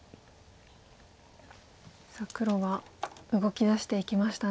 さあ黒は動きだしていきましたね。